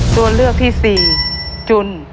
ตัวเลือกที่๔จุน